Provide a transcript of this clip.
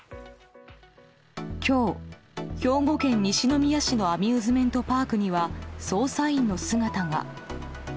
今日、兵庫県西宮市のアミューズメントパークには捜査員の姿が。